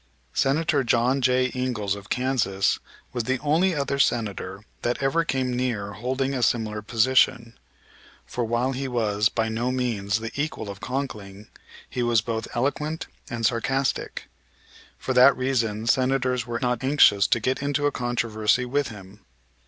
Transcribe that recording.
Senator John J. Ingalls, of Kansas, was the only other Senator that ever came near holding a similar position; for, while he was by no means the equal of Conkling, he was both eloquent and sarcastic. For that reason Senators were not anxious to get into a controversy with him.